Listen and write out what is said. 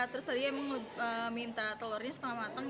terus tadi emang minta telurnya setelah matang